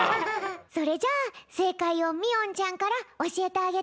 それじゃあせいかいをみおんちゃんからおしえてあげて。